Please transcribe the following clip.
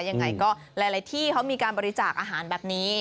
ยังไงก็หลายที่เขามีการบริจาคอาหารแบบนี้